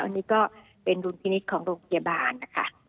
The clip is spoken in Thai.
อันนี้ก็เป็นดุลพินิษฐ์ของโรงพยาบาลนะคะ